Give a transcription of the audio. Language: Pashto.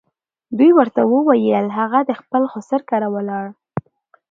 دوی ورته وویل هغه د خپل خسر کره ولاړ.